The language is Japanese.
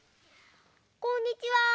こんにちは。